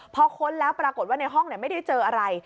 พอค้นแล้วปรากฏว่าในห้องไม่ได้เจออะไร